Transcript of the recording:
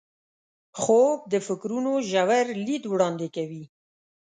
خوب د فکرونو ژور لید وړاندې کوي